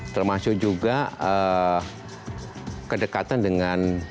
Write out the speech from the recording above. termasuk juga kedekatan dengan